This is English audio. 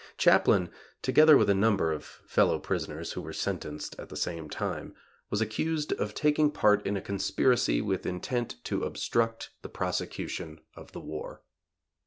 Chaplin, together with a number of fellow prisoners who were sentenced at the same time, was accused of taking part in a conspiracy with intent to obstruct the prosecution of the war.